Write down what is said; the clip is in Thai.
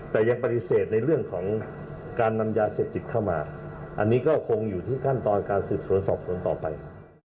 แต่ยังปฏิเสธในเรื่องของการนำยาเสพติดเข้ามาอันนี้ก็คงอยู่ที่ขั้นตอนการสืบสวนสอบสวนต่อไป